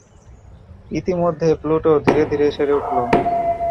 ইতিমধ্যে প্লুটো ধীরে ধীরে সেরে উঠল।